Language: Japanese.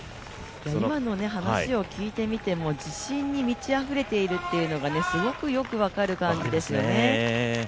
今の話を聞いてみても自信に満ちあふれているっていうのがすごくよく分かる感じですよね。